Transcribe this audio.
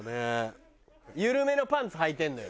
緩めのパンツはいてるのよ。